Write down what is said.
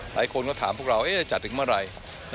หลายคนก็ถามว่าเอ๊ะจะจัดอีกเมื่อไหร่